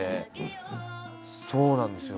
そうなんですよ。